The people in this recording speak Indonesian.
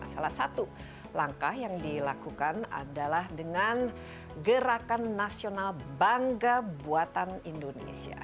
salah satu langkah yang dilakukan adalah dengan gerakan nasional bangga buatan indonesia